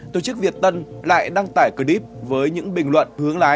tổ chức việt tân lại đăng tải clip với những bình luận hướng lái